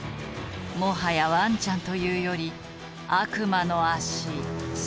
もはやワンちゃんというより悪魔の足そのもの。